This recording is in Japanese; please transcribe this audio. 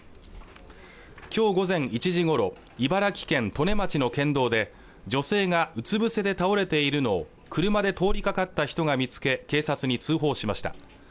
今日午前１時ごろ茨城県利根町の県道で女性がうつ伏せで倒れているのを車で通りかかった人が見つけ警察に通報しました